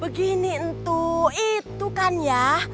begini untuk itu kan ya